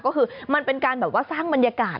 ก็คือมันเป็นการสร้างบรรยากาศ